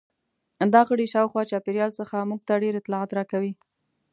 دا غړي شاوخوا چاپیریال څخه موږ ته ډېر اطلاعات راکوي.